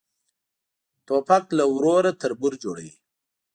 توپک له ورور تربور جوړوي.